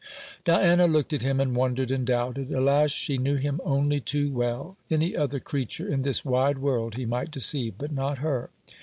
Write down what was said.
Diana looked at him, and wondered, and doubted. Alas, she knew him only too well! Any other creature in this wide world he might deceive, but not her.